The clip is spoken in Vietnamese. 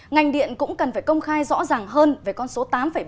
ngành điện cũng cần phải công khai rõ ràng hơn về con số tám ba mươi sáu